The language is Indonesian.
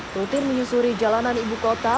rutin menyusuri jalanan ibu kota